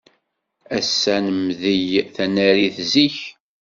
Ass-a nemdel tanarit zik.